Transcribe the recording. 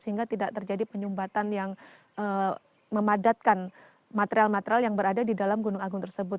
sehingga tidak terjadi penyumbatan yang memadatkan material material yang berada di dalam gunung agung tersebut